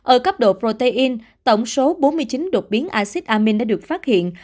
ở cấp độ protein tổng số bốn mươi chín đột biến acid amin đã được phát hiện